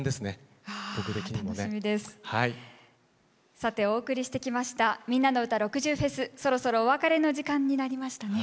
さてお送りしてきました「みんなのうた６０フェス」そろそろお別れの時間になりましたね。